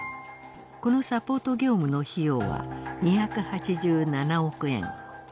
このサポート業務の費用は２８７億円。